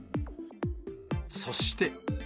そして。